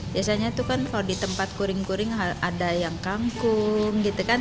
biasanya itu kan kalau di tempat kuring kuring ada yang kangkung gitu kan